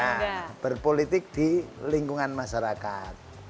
nah berpolitik di lingkungan masyarakat